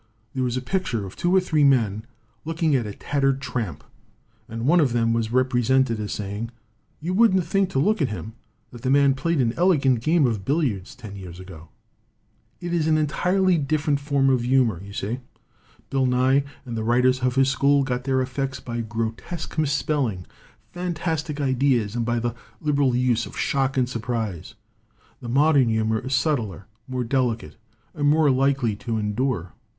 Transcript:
There was a picture of two or three men looking at a tattered tramp, and one of them was represented as saying : 'You wouldn't think to look at him that that man played an elegant game of billiards ten years ago!' 56 ROMANTICISM AND HUMOR "It is an entirely different form of humor, you see. Bill Nye and the writers of his school got their effects by grotesque misspelling, fantastic ideas, and by the liberal use of shock and surprise. The modern humor is subtler, more delicate, and more likely to endure.